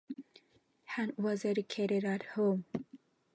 Hunt was educated at home.